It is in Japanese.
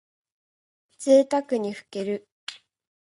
ぜいたくにふける。